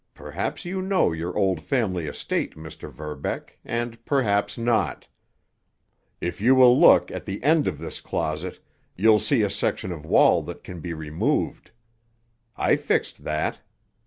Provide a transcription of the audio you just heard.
Perhaps you know your old family estate, Mr. Verbeck, and perhaps not. If you will look at the end of this closet you'll see a section of wall that can be removed. I fixed that.